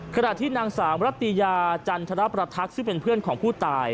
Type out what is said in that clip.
ขณะที่นางสาวรัตยาจันทรประทักษ์ซึ่งเป็นเพื่อนของผู้ตาย